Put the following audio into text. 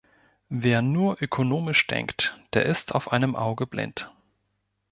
Wer nur ökonomisch denkt, der ist auf einem Auge blind.